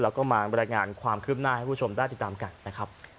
แล้วก็มาบรรยายงานความคืบหน้าให้ผู้ชมได้ติดตามกันนะครับ